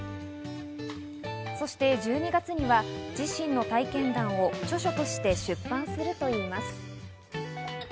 そして、１２月には自身の体験談を著書として出版するといいます。